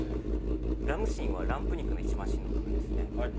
ラムシンはランプ肉の一番しんの部分ですね。